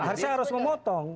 ya harusnya harus memotong